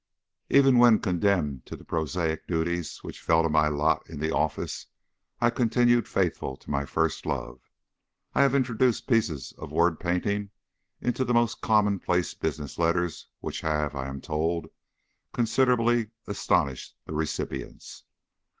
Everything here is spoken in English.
Even when condemned to the prosaic duties which fell to my lot in the office, I continued faithful to my first love. I have introduced pieces of word painting into the most commonplace business letters which have, I am told, considerably astonished the recipients.